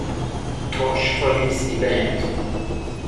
Tosh verließ die Band.